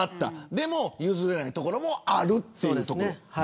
でも譲れないところもあるというところ。